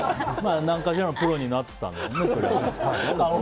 何かしらのプロになってたんだろうね。